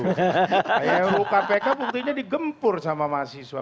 kayak ruu kpk buktinya digempur sama mahasiswa